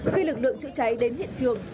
khi lực lượng chữa cháy đến hiện trường